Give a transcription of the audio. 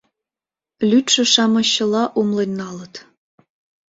Лӱдшӧ-шамыч чыла умылен налыт.